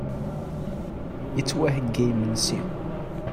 Ittwaheyya yimensi.